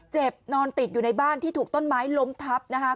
นอนติดอยู่ในบ้านที่ถูกต้นไม้ล้มทับนะคะ